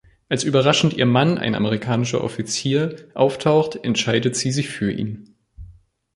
Als überraschend ihr Mann, ein amerikanischer Offizier, auftaucht, entscheidet sie sich für ihn.